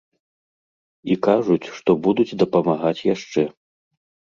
І кажуць, што будуць дапамагаць яшчэ.